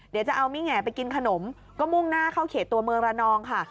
เดี๋ยวจะเอามิแห่ไปกินขนมก็มุ่งหน้าเข้าเขตตัวเมืองระนองค่ะ